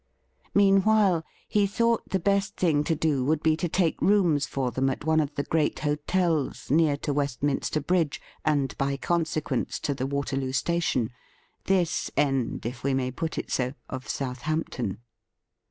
Meanwhile, he thought the best thing to do would be to take rooms for them at one of the great hotels near to Westminster Bridge, and, by consequence, to the Waterloo Station — this end, if we may put it so, of Southampton.